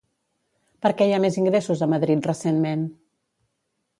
Per què hi ha més ingressos a Madrid recentment?